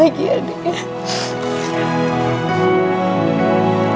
kasinta kasinta beneran katanya dewi